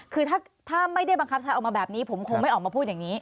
คือถ้าไม่ได้บังคับใช้ออกมาแบบนี้ผมคงไม่ออกมาพูดอย่างนี้